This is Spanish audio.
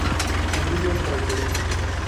Su brillo es característico.